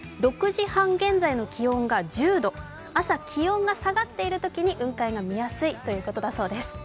６時半現在の気温が１０度、朝、気温が下がっているときに雲海が見やすいということです。